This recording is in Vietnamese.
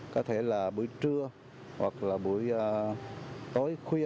có thể là buổi trưa hoặc là buổi tối khuya